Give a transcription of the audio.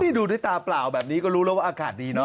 ดูด้วยตาเปล่าแบบนี้ก็รู้แล้วว่าอากาศดีเนอ